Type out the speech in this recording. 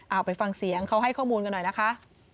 เอาไปฟังเสียงเขาให้ข้อมูลกันหน่อยนะคะ